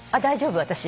大丈夫私。